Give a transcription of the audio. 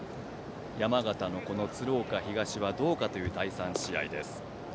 山形の鶴岡東はどうかという第３試合です。